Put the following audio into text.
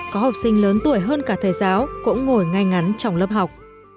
có học sinh lớn tuổi hơn cả thầy giáo cũng ngồi ngay ngắn trong lớp học